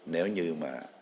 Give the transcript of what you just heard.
nếu như mà